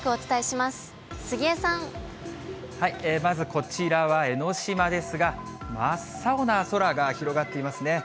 まずこちらは江の島ですが、真っ青な空が広がっていますね。